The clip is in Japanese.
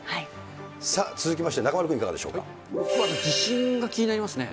続きまして中丸君、いかがで僕は地震が気になりますね。